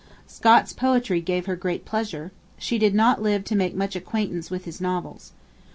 Scott's poetry gave her great pleasure; she did not live to make much acquaintance with his novels.